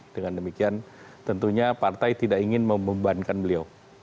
dengan demikian tentunya partai tidak ingin membebankan beliau